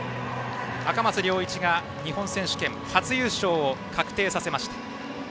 赤松諒一が日本選手権初優勝を確定させました。